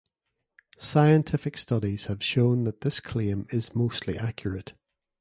Scientific studies have shown that this claim is mostly accurate.